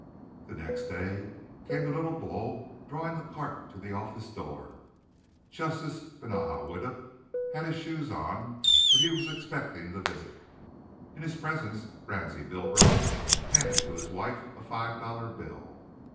The next day came the little red bull, drawing the cart to the office door. Justice Benaja Widdup had his shoes on, for he was expecting the visit. In his presence Ransie Bilbro handed to his wife a five dollar bill.